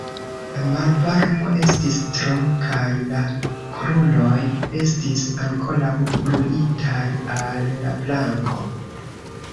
La malvarmo estis tro, kaj la kruroj estis ankoraŭ gluitaj al la planko.